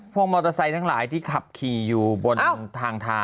มอเตอร์ไซค์ทั้งหลายที่ขับขี่อยู่บนทางเท้า